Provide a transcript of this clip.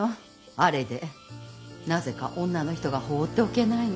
あれでなぜか女の人が放っておけないの。